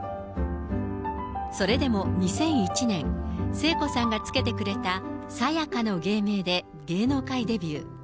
それでも２００１年、聖子さんが付けてくれた、ＳＡＹＡＫＡの芸名で芸能界デビュー。